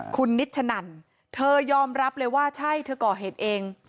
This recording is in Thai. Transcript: คุณนิชชะนันเธอยอมรับเลยว่าใช่เธอก่อเหตุเอง